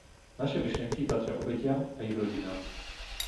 Naše myšlienky patria obetiam a ich rodinám.